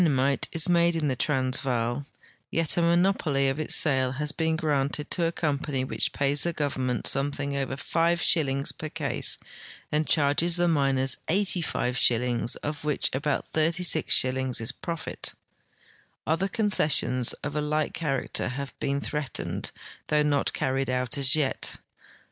802 THE WITWATERSRAND AND no))oly of its sale has been ^ranted to a compaii}' which pays the frovernment something over five sliillings j>er case and charges the miners 85 shillings, of wiiicli about 36 shillings is ])rofit. Other concessions of a like character have been threatened, though not carried out as yet.